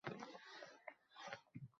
O’shandan tosh ichra kechdi hayotim